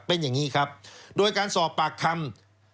เป็นอย่างนี้ครับโดยการสอบปากคำ